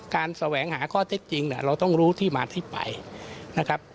แสวงหาข้อเท็จจริงเนี่ยเราต้องรู้ที่มาที่ไปนะครับ